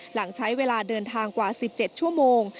หลังใช้เวลาเดินทางกว่า๑๗ชั่วโมง